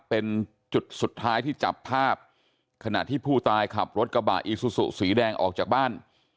เป็นจุดสุดท้ายที่จับภาพขณะที่ผู้ตายขับรถกระบะอีซูซูสีแดงออกจากบ้าน